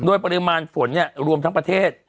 โดยปริมาณฝนเนี่ยรวมทั้งประเทศ